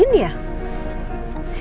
tunggu aku mau cari